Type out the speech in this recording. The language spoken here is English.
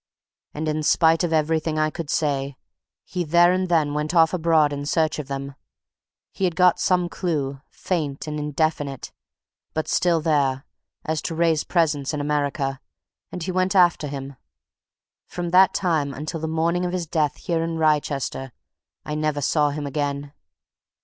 And in spite of everything I could say, he there and then went off abroad in search of them he had got some clue, faint and indefinite, but still there, as to Wraye's presence in America, and he went after him. From that time until the morning of his death here in Wrychester I never saw him again!"